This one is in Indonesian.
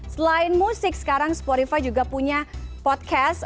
selain musik sekarang sporiva juga punya podcast